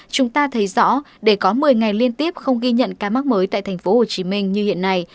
chúng ta thấy rõ để có một mươi ngày liên tiếp không ghi nhận ca mắc mới tại thành phố hồ chí minh như hiện nay